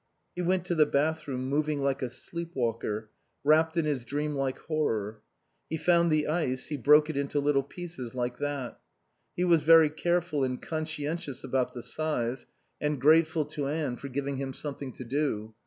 He went to the bath room, moving like a sleepwalker, wrapped in his dream like horror. He found the ice, he broke it into little pieces, like that. He was very careful and conscientious about the size, and grateful to Anne for giving him something to do.